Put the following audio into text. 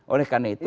oleh karena itu